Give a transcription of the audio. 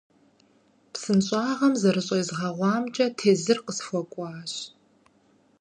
Псынщӏагъэм зэрыщӏезгъэгъуамкӏэ тезыр къысхуэкӏуащ.